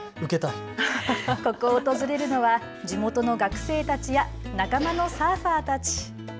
ここを訪れるのは地元の学生たちや仲間のサーファーたち。